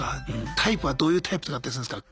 タイプはどういうタイプとかだったりするんすか？